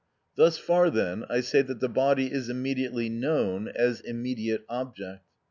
Thus far, then, I say that the body is immediately known, is immediate object.